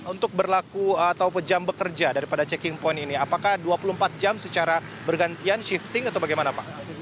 untuk berlaku atau jam bekerja daripada checking point ini apakah dua puluh empat jam secara bergantian shifting atau bagaimana pak